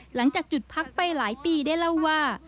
หลังจากจุดพักไปหลายปีได้เล่าว่า